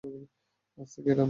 আজ থেকে এটাই আপনার ডিউটি।